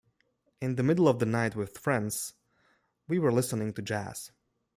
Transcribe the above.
In the middle of the night with friends, we were listening to jazz.